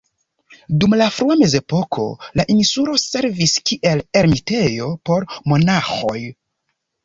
Dum la frua mezepoko la insuloj servis kiel ermitejo por monaĥoj.